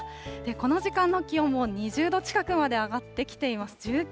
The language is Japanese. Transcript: この時間の気温も２０度近くまで上がってきています。